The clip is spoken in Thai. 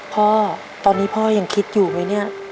พ่อตอนนี้พ่อยังคิดอยู่ไหมเนี่ย